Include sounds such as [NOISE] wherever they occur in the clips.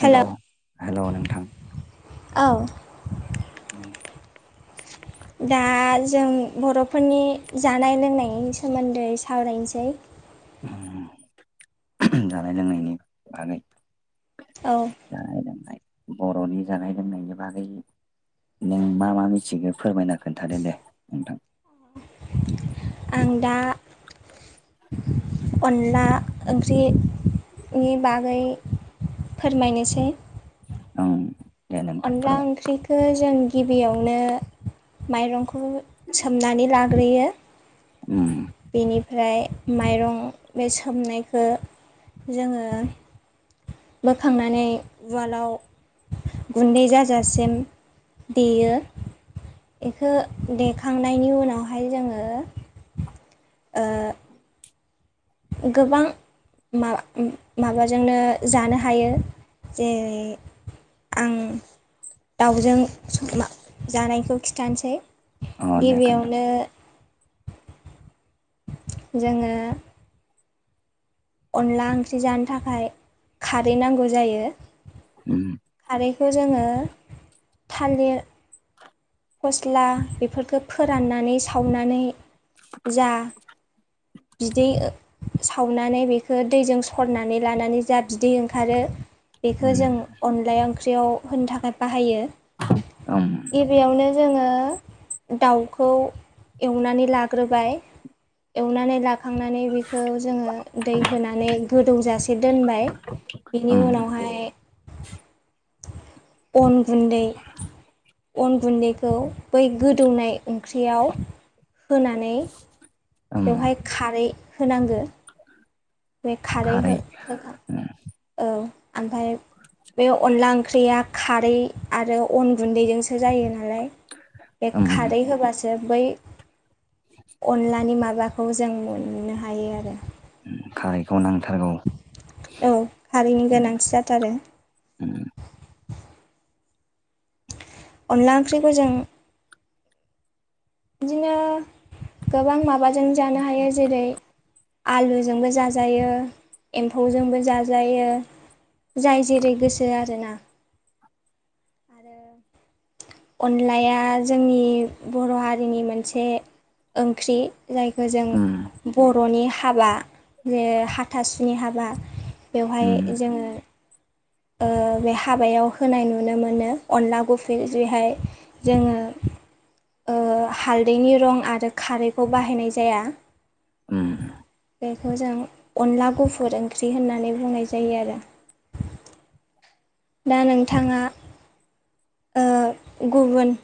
हेल' हेल' नोंथां औ उम दा जों बर'फोरनि जानाय लोंनायनि सोमोन्दै सावरायनोसै जानाय लोंनायनि बागै औ जानाय लोंनाय बर'नि जानाय लोंनायनि बागै नों मा मा मिथिगौ फोरमायना खोन्थादो दे नोंथां आं दा अनला ओंख्रिनि बागै फोरमायनोसै औ अनला ओंख्रिखौ जों गिबियावनो माइरं सोमनानै लाग्रोयो उम उम ओमफ्राय माइरं बे सोमनायखौ जोङो बोखांनानै उवालाव गुन्दै जाजासिम देयो एखो देखांनायनि उनावहाय जोङो ओ गोबां मा-म- माबाजोंनो जानो हायो जेरै आं दाउजों जानायखौ खिथानोसै अ दे खोन्था गिबियावनो जोङो अनला ओंख्रि जानो थाखाय खारै नांगौ जायो उम खारैखौ जोङो थालिर फस्ला बेफोरखौ फोराननानै सावनानै जा [INAUDIBLE] बिदै सावनानै बेखौ दैजों सरनानै लानानै जा बिदै ओंखारो बेखो उम जों अनला ओंख्रियाव होनो थाखाय बाहायो ओं बेखौनो जोङो दाउखौ एवनानै लाग्रोबाय एवनानै लाखांनानै बेखौ जोङो दै होनानै गोदौजासे दोनबाय बेनि ओम उनावहाय अन गुन्दै अन गुन्दैखौ बै गोदौनाय ओंख्रियाव होनानै ओम बेवहाय खारै होनांगो। बे खारै हो-होखां औ ओमफ्राय बे अनला ओंख्रिया खारै आरो अन गुन्दैजोंसो जायो नालाय बे ओम खारै होबासो बै अनलानि माबाखौ जों मोननो हायो आरो। खारैखौ नों- औ हारिनि उम गोनांथि जाथारो। उम अनला ओंख्रिखौ जों बिदिनो गोबां माबाजों जानो हायो जेरै आलुजोंबो जाजायो एम्फौजोंबो जाजायो। जाय जेरै गोसो आरोना। आरो अनलाया जोंनि बर' हारिनि मोनसे ओंख्रि जायखौ जों उम बर'नि हाबा जे हाथासुनि हाबा बेवहाय उम जोङो ओ‌ बे हाबायाव होनाय नुनो मोनो अनला गुफैजहाय [UNINTELLIGIBLE] जोङो ओ हालदैनि रं आरो खारैखौ बाहायनाय जाया। उम बेखौ जों अनला गुफुर ओंख्रि होननानै बुंनाय जायो आरो [INAUDIBLE] दा नोंथाङा ओ- गुबुन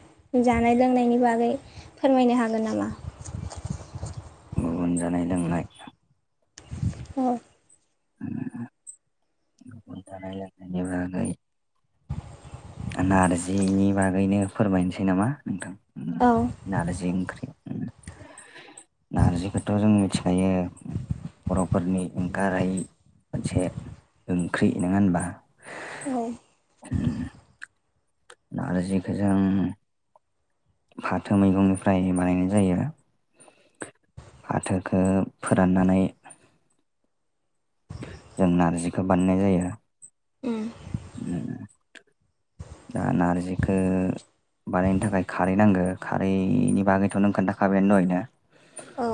जानाय लोंनायनि बागै फोरमायनो हागोन नामा? [INAUDIBLE] गुबुन जानाय लोंनाय औ गुबुन [INAUDIBLE] नारजिनि बागैनो फोरमायनोसै नामा नोंथां? [INAUDIBLE] औ [INAUDIBLE] नारजिखौथ' जों मिथिखायो। बरफोरनि एंगार हायै मोनसे ओंख्रि नङा होनबा? [INAUDIBLE] नारजिखो जों फाथो मैगंनिफ्राय बानायनाय जायो। फाथोखो फोराननानै जों नारजिखौ बानायनाय जायो। उम दा नारजिखो बानायनो थाखाय खारै नांगो खारैनि बागैथ' नों खोन्थाखाबायानो दहायनो औ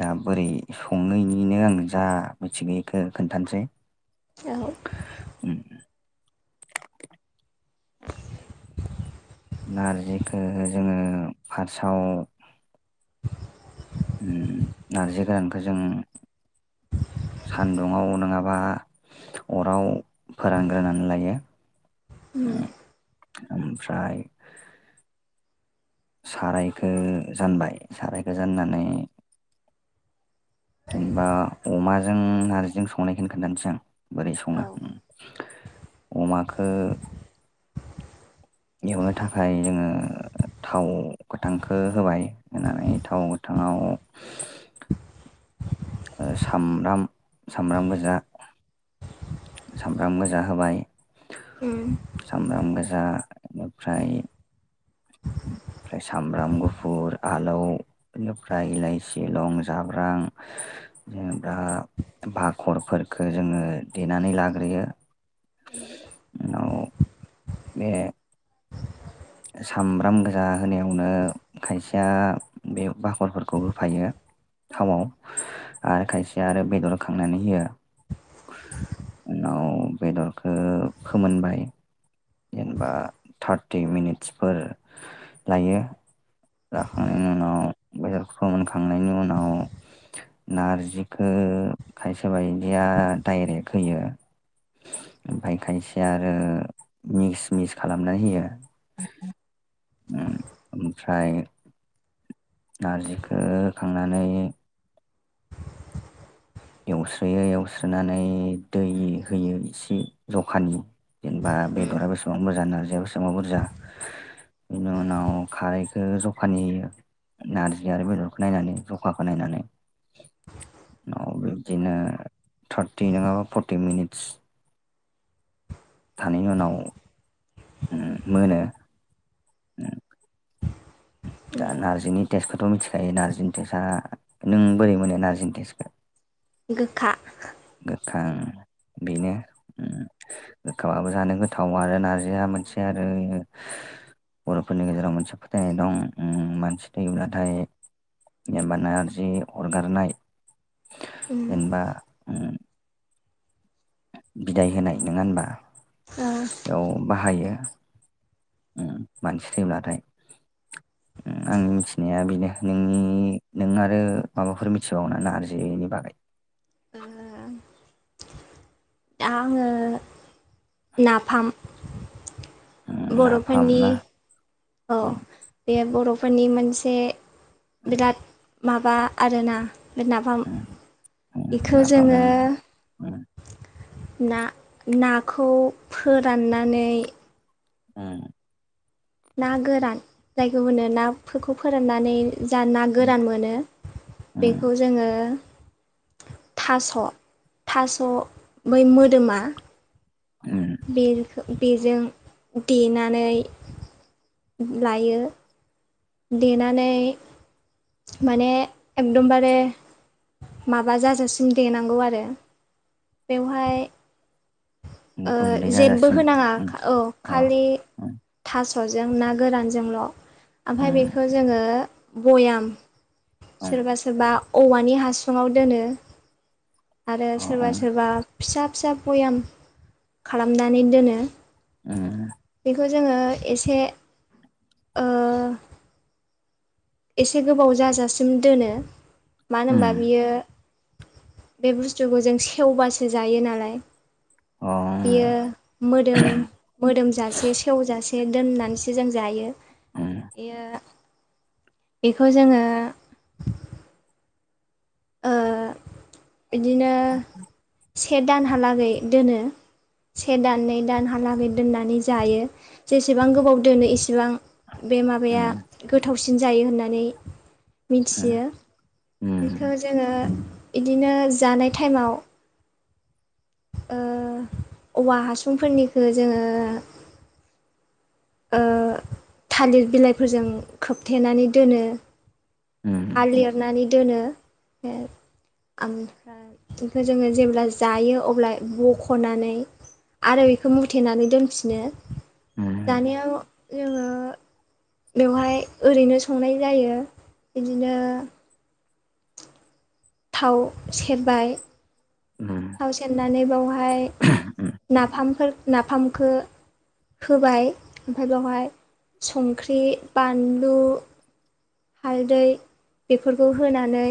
दा बोरै संनायनिनो आं जा मिथिबोखो खोन्थानोसै। उम नारजिखौ जोङो फार्स्टआव उम नारजि गोरानखौ जों [INAUDIBLE] सान्दुङाव नङाबा अराव फोरानग्रोनानै लायो। ओमफ्राय सारायखो जानबाय सारायखौ जाननानै जेनेबा अमाजों नारजिजों संनायखौ खोन्थानोसै आं बोरै सङो औ उम अमाखो एवनो थाखाय जोङो थाव गोथांखौ होबाय होनानै थाव गोथाङाव [INAUDIBLE] सामब्राम सामब्राम गोजा सामब्राम गोजा होबाय उम सामब्राम गोजा ओमफ्राय [INAUDIBLE] ओमफ्राय सामब्राम गुफुर आलौ बेनिफ्राय इलाइसि लं जाब्रां जेनेबा भाखरफोरखौ जोङो देनानै लाग्रोयो उनाव बे सामब्राम गोजा होनायावनो खायसेया बे बाखरफोरखौ होफायो । थावआव आरो खायसे आरो बेदर खांनानै होयो । उनाव बेदरखो फोमोनबाय जेनेबा थार्टि मिनिटसफोर लायो । जाखांनायनि उनाव बेदर फोमोनखांनायनि उनाव नारजिखो खायसे बायदिया डाइरेक्ट होयो । ओमफ्राय खायसे आरो मिक्स मिक्स खालामनानै होयो [INAUDIBLE] ओमफ्राय नारजिखौ होखांनानै एवस्रोयो एवस्रोनानै दै होयो एसे जखानि जेनेबा बेदरा बेसेबां बुरजा नारजिया बेसेबां बुरजा बेनि उनाव खारैखौ जखानि नारजि आरो बेदरखौ नायनानै जखाखौ नायनानै औ बिबदिनो थार्टि नङाबा फर्टि मिनिटस थानायनि उनाव मोनो उम दा नारजिनि तेज थ' मिथिखायो नारजिन टेस्टआ नों बोरै मोनो नारजिन टेस्टखो गोखा बिनो गोखाबाबो जानो गोथाव आरो नारजिया मोनसे आरो बर'फोरनि गेजेराव मोनसे फोथायनाय दं उम मानसि थैब्लाथाय जेनबा नारजि अरगारनाय उम जेनेबा उम बिदाय होनाय नङा होनबा औ बेयाव बाहायो मानसि थैब्लाथाय [INAUDIBLE] आंनि मिथिनाया बेनो नोंनि नों आरो माबाफोर मिथिबावोना नार्जिनि बागै [UNINTELLIGIBLE] दा आङो नाफाम उम नाफाम बर'फोरनि ना औ उम बे बर'फोरनि मोनसे एसे बिराद माबा आरोना नाफाम उम उम इखौ नाफाम जोङो उम ना नाखौ फोराननानै ओम ना गोरान जायखौ होनो नाफोरखौ फोराननानै जा ना गोरान मोनो उम बेखौ जोङो थास' थास' बै मोदोमा उम बे बेजों देनानै लायो देनानै माने एकदमबारे माबा जाजासिम देनांगौ आरो बेवहाय उम ओ गुन्दै जेबो जाजासिम होनाङा उम औ अ खालि उम था सजों ना गोरानजोंल'। ओमफ्राय बेखौ जोङो बयाम उम उम सोरबा सोरबा औवानि हासुङाव दोनो आरो अ सोरबा उम सोरबा फिसा फिसा भयाम खालामनानै दोनो। ओम। खौ जोङो एसे ओ एसे गोबाव जाजासिम दोनो। मानो होनबा उम बियो बे बुस्थुखौ जों सेवबासो जायो नालाय। अ बेयो उम मोदोम मोदोमजासे सेवजा से दोननानैसो जों जायो। बेयो बेखौ जोङो ओ बिदिनो से दानहालागै दोनो। से दान नै दानहालागै दोननानै जायो, जेसेबां गोबाव दोनो एसेबां बे माबाया गोथावसिन जायो होननानै मिथियो। उम बेखौ जोङो बिदिनो जानाय टाइमाव ओ औवा हासुंफोरनिखौ जोङो ओ थालिर बिलाइफोरजों खोबथेनानै दोनो उम हा उम लिरनानै दोनो। ओमफ्राय बेखौ जोङो जेब्ला जायो अब्ला बख'नानै आरो बेखौ मुथेनानै दोनफिनो। उम उम जानायाव जोङो बेवहाय ओरैनो संनाय जायो बिदिनो थाव सेरबाय उम उम थाव सेरनानै बावहाय नाफामफोर नाफामखौ होबाय। ओमफ्राय बेवहाय संख्रि बानलु हालदै बेफोरखौ होनानै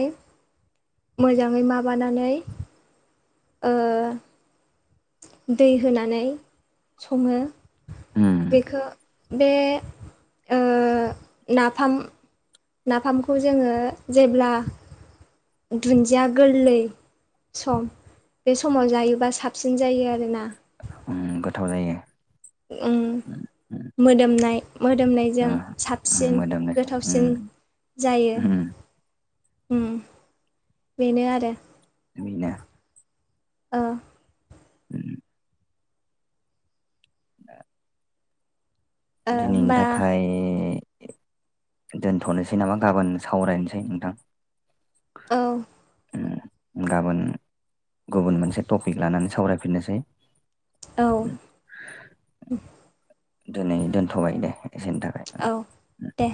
मोजाङै माबानानै ओ दै होनानै सङो उम बेखौ। बे ओ नाफाम नाफामखौ जोङो जेब्ला दुन्दिया गोरलै सम बे समाव जायोबा साबसिन जायो आरोना। उम गोथाव जायो। ओम उम उम मोदोमनाय ओ मोदोमनायजों उम साबसिन मोदोमनायजों गोथावसिन उम जायो। उम उम बेनो आरो। [UNINTELLIGIBLE] ओ। [UNINTELLIGIBLE] ओ दिनैनि होमबा थाखाय दोनथ'नोसै नामा गाबोन सावरायनोसै नोंथां? औ गाबोन गुबुन मोनसे टपिक लानानै सावरायफिननोसै। औ। दिनै दोनथ'बाय दे। एसेनि थाखाय औ दे।